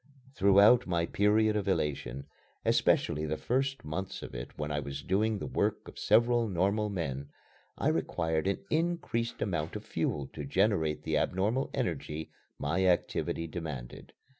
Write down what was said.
Throughout my period of elation, especially the first months of it when I was doing the work of several normal men, I required an increased amount of fuel to generate the abnormal energy my activity demanded.